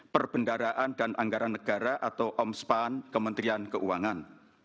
perbendaraan dan anggaran negara atau omspan kementerian keuangan